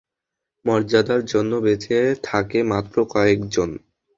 মর্যাদার জন্য বেঁচে থাকে মাত্র কয়েকজন।